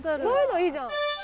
そういうのいいじゃん。